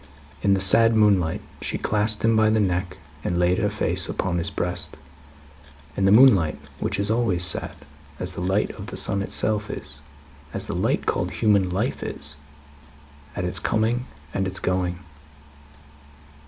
In the sad moonlight, she clasped him by the neck, and laid her face upon his breast. In the moonlight which is always sad, as the light of the sun itself is as the light called human life is at its coming and its going.